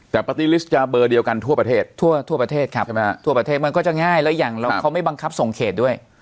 แต่ปาร์ตี้ลิสต์จะเบอร์เดียวกันทั่วประเทศทั่วประเทศครับใช่ไหมฮะทั่วประเทศมันก็จะง่ายแล้วอย่างเราเขาไม่บังคับส่งเขตด้วย